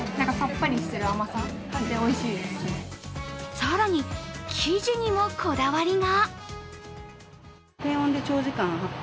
更に生地にもこだわりが。